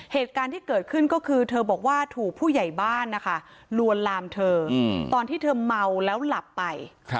เหตุการณ์ที่เกิดขึ้นก็คือเธอบอกว่าถูกผู้ใหญ่บ้านนะคะลวนลามเธอตอนที่เธอเมาแล้วหลับไป